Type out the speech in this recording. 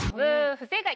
不正解！